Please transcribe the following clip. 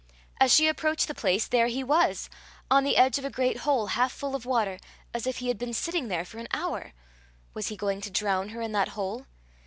As she approached the place, there he was, on the edge of a great hole half full of water, as if he had been sitting there for an hour! Was he going to drown her in that hole?